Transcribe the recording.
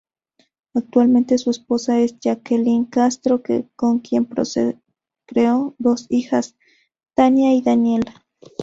Actualmente su esposa es Jacqueline Castro, con quien procreó dos hijas: Tanya y Daniela.